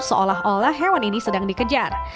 seolah olah hewan ini sedang dikejar